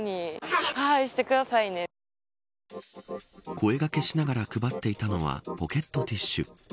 声掛けしながら配っていたのはポケットティッシュ。